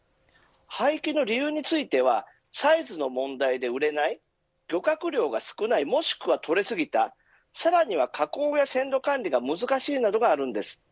廃棄の理由についてはサイズの問題で売れない漁獲量が少ないもしくは取れ過ぎたさらには加工や鮮度管理が難しいなどがあるんです。